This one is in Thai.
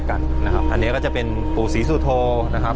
อันนี้ก็จะเป็นปู่ศรีสุโธนะครับ